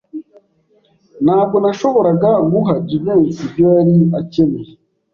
Ntabwo nashoboraga guha Jivency ibyo yari akeneye.